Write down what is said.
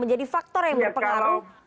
menjadi faktor yang berpengaruh